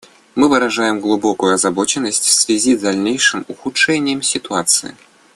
Мы выражаем глубокую озабоченность в связи с дальнейшим ухудшением ситуации.